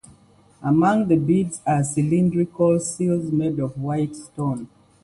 Among the beads are cylindrical seals made of white stone.